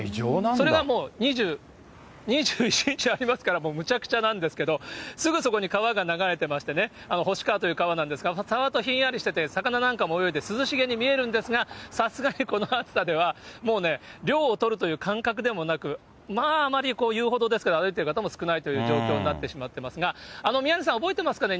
それが２１日ありますから、もうむちゃくちゃなんですけれども、すぐそこに川が流れてましてね、ほし川という川なんですが、触るとひんやりしてて、魚なんかも泳いでて、涼しげに見えるんですが、さすがにこの暑さではもうね、涼をとるという感覚でもなく、まあ、あまり遊歩道ですけども、歩いてる方も少ないという状況になってしまってますが、宮根さん、覚えてますかね？